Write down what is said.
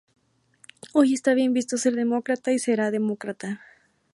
Hoy está bien visto ser demócrata y será demócrata"".